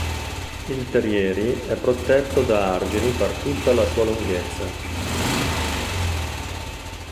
Il Terrieri è protetto da argini per tutta la sua lunghezza.